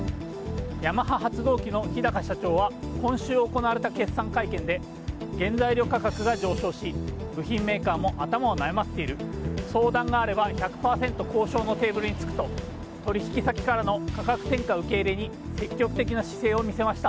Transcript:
ヤマハ発動機の日高社長は今週行われた決算会見で原材料価格が上昇し部品メーカーも頭を悩ませている相談があれば１００％交渉のテーブルにつくと取引先からの価格転嫁受け入れに積極的な姿勢を見せました。